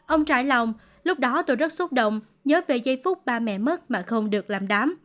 ông trải lòng lúc đó tôi rất xúc động nhớ về giây phút ba mẹ mất mà không được làm đám